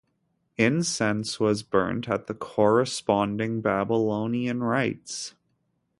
Incense was burnt at the corresponding Babylonian rites.